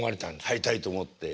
入りたいと思って。